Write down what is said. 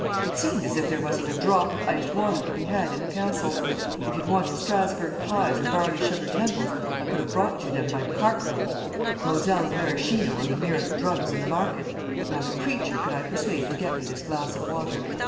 It seemed as if there wasn't a drop of iced water to be had in the Castle. If you'd wanted Strasburg pies or barley sugar temples, I could have brought you them by cartloads. Moselle and Maraschino are the merest drugs in the market; but not a creature could I persuade to get me this glass of water.